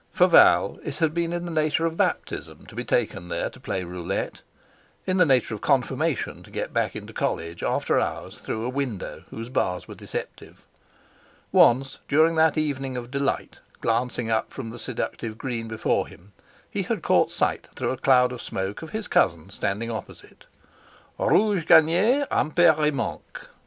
For Val it had been in the nature of baptism to be taken there to play roulette; in the nature of confirmation to get back into college, after hours, through a window whose bars were deceptive. Once, during that evening of delight, glancing up from the seductive green before him, he had caught sight, through a cloud of smoke, of his cousin standing opposite. "_Rouge gagne, impair, et manque!